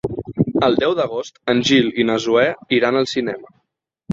El deu d'agost en Gil i na Zoè iran al cinema.